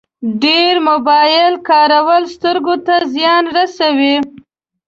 ډېر موبایل کارول سترګو ته زیان رسوي.